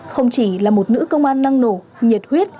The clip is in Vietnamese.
không chỉ là một nữ công an năng nổ nhiệt huyết